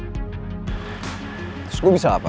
terus gue bisa apa